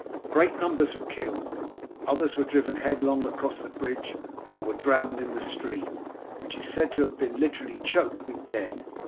Great numbers were killed; others were driven headlong across the bridge or were drowned in the stream, which is said to have been literally choked with dead.